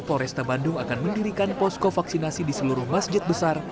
polresta bandung akan mendirikan posko vaksinasi di seluruh masjid besar